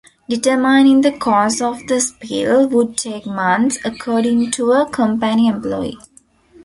Determining the cause of the spill would take months, according to a company employee.